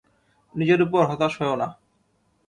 নিজের উপর হতাশ হয়ো না।